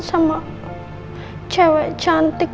sama cewek cantik